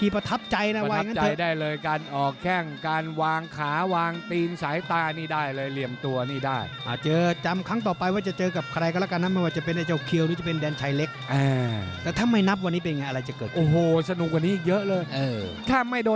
มาแล้วกางเกงสีแดงฮึดสู้ด้วยนะครับ